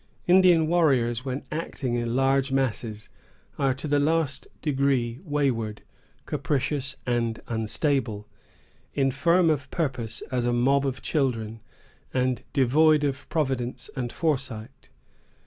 Indian warriors, when acting in large masses, are to the last degree wayward, capricious, and unstable; infirm of purpose as a mob of children, and devoid of providence and foresight.